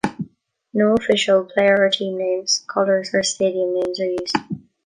No official player or team names, colors, or stadium names are used.